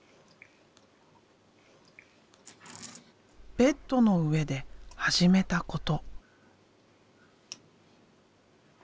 ベッドの上で始めたこと。